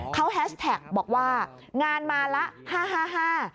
เขาแฮชแท็กบอกว่างานมาละห้าห้า